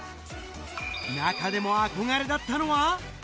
中でも憧れだったのは。